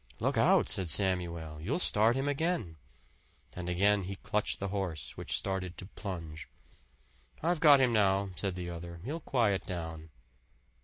"Look out!" said Samuel. "You'll start him again!" And again he clutched the horse, which started to plunge. "I've got him now," said the other. "He'll quiet down."